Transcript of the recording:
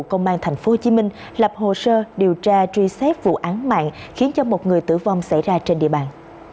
công an tp hcm lập hồ sơ điều tra truy xét vụ án mạng khiến cho một người tử vong xảy ra trên địa bàn